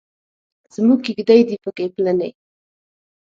زموږ کیږدۍ دې پکې پلنې.